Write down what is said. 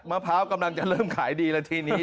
มะพร้าวกำลังจะเริ่มขายดีแล้วทีนี้